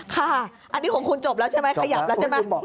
ค่ะอันนี้ของคุณจบแล้วใช่ไหมขยับแล้วใช่ไหม